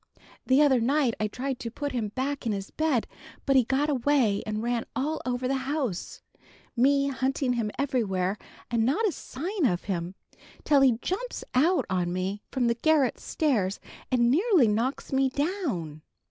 The other night I tried to put him back in his bed, but he got away and ran all over the house, me hunting him everywhere, and not a sign of him, till he jumps out on me from the garret stairs and nearly knocks me down.